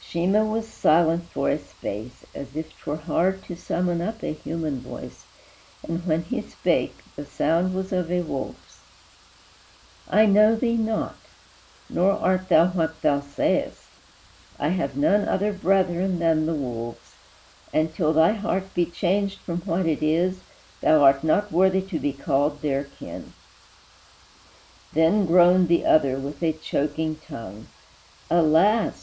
Sheemah was silent for a space, as if 'T were hard to summon up a human voice, And, when he spake, the sound was of a wolf's: "I know thee not, nor art thou what thou say'st; I have none other brethren than the wolves, And, till thy heart be changed from what it is, Thou art not worthy to be called their kin." Then groaned the other, with a choking tongue, "Alas!